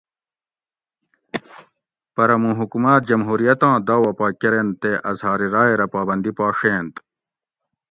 پرہ موُں حکوماۤت جمھوریتاں داعوہ پا کرینت تے اظھار راۓ رہ پابندی پا ڛینت